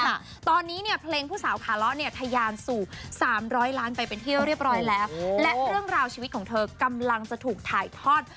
ค่ะตอนนี้เนี่ยเพลงผู้สาวขาล้อเนี่ยทะยานสู่สามร้อยล้านไปเป็นที่เรียบร้อยแล้วและเรื่องราวชีวิตของเธอกำลังจะถูกถ่ายทอด